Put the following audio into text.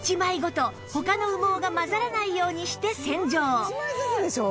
そして１枚ずつでしょ！？